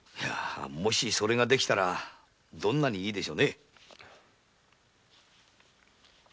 もしそれができたらどんなにいいでしょうね。